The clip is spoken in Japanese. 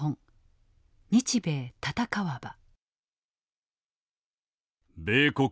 「日米戦わば」。